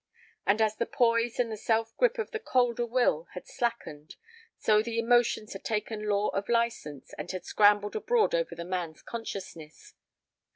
And as the poise and the self grip of the colder will had slackened, so the emotions had taken law of license and had scrambled abroad over the man's consciousness.